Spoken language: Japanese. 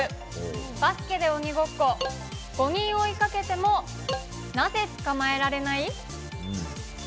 バスケで鬼ごっこ、５人追いかけても、なぜ捕まえられない？